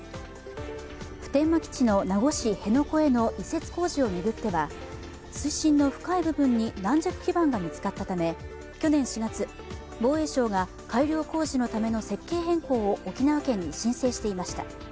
普天間基地の名護市辺野古への移設工事を巡っては水深の深い部分に軟弱地盤が見つかったため、去年４月、防衛省が改良工事のための設計変更を沖縄県に申請していました。